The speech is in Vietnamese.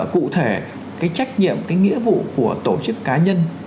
cụ thể cái trách nhiệm cái nghĩa vụ của tổ chức cá nhân